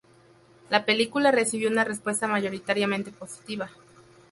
La película recibió una respuesta mayoritariamente positiva.